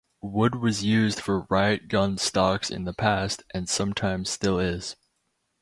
Wood was used for riot gun stocks in the past, and sometimes still is.